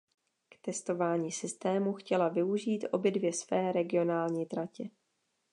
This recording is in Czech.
K testování systému chtěla využít obě dvě své regionální tratě.